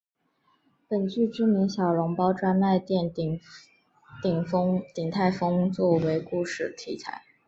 本剧知名小笼包专卖店鼎泰丰做为故事题材。